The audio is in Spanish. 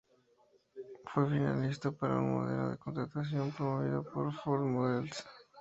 Fue finalista para un modelo de contratación promovido por Ford Models.